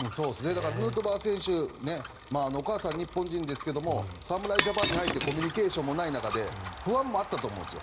だから、ヌートバー選手お母さん、日本人ですけれども侍ジャパンに入ってコミュニケーションもない中で不安もあったと思うんです。